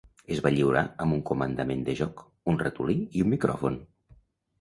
Es va lliurar amb un comandament de joc, un ratolí i un micròfon.